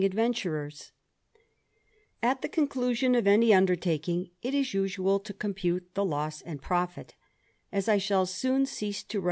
Adventurers, At the conclusion of any undertaking, it is usual ^ compute the loss and profit As I shall soon cease to wrfi.